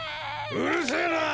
うるせえなァ！